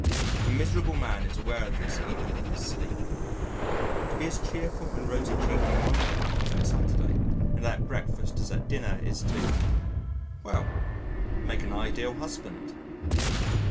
A miserable man is aware of this even in his sleep. To be as cheerful and rosy cheeked on Monday as on Saturday, and at breakfast as at dinner is to well, make an ideal husband.